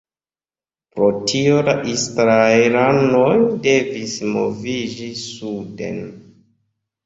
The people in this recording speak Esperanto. Pro tio la israelanoj devis moviĝi suden.